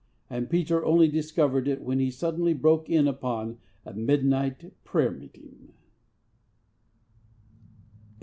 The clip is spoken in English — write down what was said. And Peter only discovered it when he suddenly broke in upon a midnight prayer meeting.